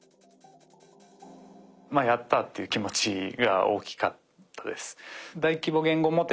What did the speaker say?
「やった」っていう気持ちが大きかったです。